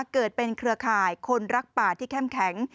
เกิดเป็นเครือข่ายคนรักป่าที่เข้มแข็ง